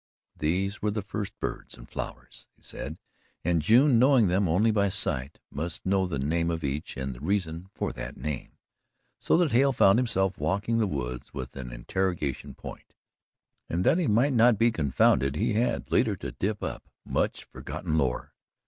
These were the first birds and flowers, he said, and June, knowing them only by sight, must know the name of each and the reason for that name. So that Hale found himself walking the woods with an interrogation point, and that he might not be confounded he had, later, to dip up much forgotten lore.